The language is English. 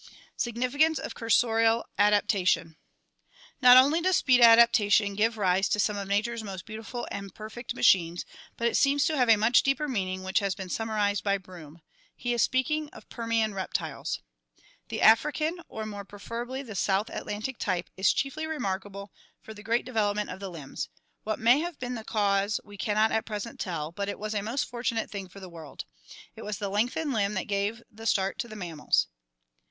Significance of Cursorial Adaptation Not only does speed adaptation give rise to some of nature's most beautiful and perfect machines, but it seems to have a much deeper meaning which has been summarized by Broom. He is speaking of Permian reptiles: "The African, or more preferably the South Atlantic type, is chiefly remarkable for the great development of the limbs. ... What may have been the cause we can not at present tell, but it was a most fortunate thing for the world. It was the lengthened limb that gave the start to the mammals.